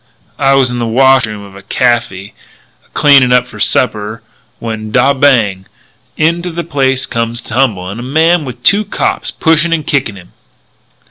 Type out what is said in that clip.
"I was in the washroom of a caffy a cleanin' up for supper, when dod bang! into the place comes a tumblin' a man with two cops pushing and kickin' him.